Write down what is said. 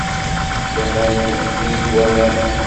Laman wwin-t waman.